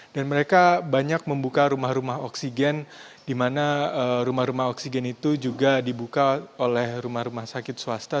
dan mereka banyak membuka rumah rumah oksigen di mana rumah rumah oksigen itu juga dibuka oleh rumah rumah sakit swasta